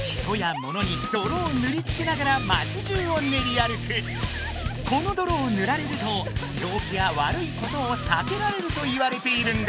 このドロをぬられると病気や悪いことをさけられるといわれているんだ。